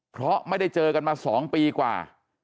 เพราะไม่ได้เจอกันมา๒ปีกว่า